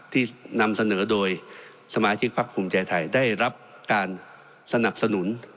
ที่นำเสนอโดยสมาชิกพักภูมิใจไทยได้รับการสนับสนุน